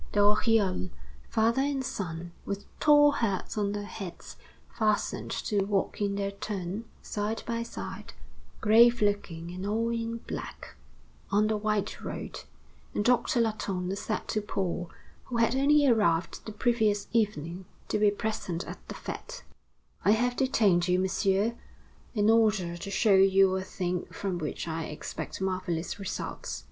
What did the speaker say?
The Oriols, father and son, with tall hats on their heads, hastened to walk in their turn side by side, grave looking and all in black, on the white road; and Doctor Latonne said to Paul, who had only arrived the previous evening, to be present at the fête: "I have detained you, Monsieur, in order to show you a thing from which I expect marvelous results.